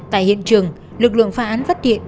tại hiện trường lực lượng phá án phát hiện